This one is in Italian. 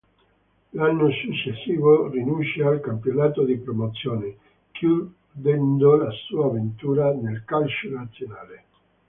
L'anno successivo rinuncia al campionato di Promozione, chiudendo la sua avventura nel calcio nazionale.